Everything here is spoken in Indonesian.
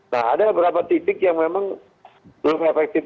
nah ada beberapa titik yang memang belum efektif